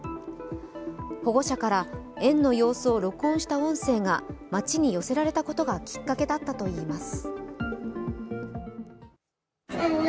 保護者から園の様子を録音した音声が町に寄せられたことがきっかけだったといいます。